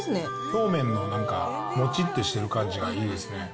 表面のもちっとしている感じがいいですね。